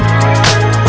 sejam berapa ya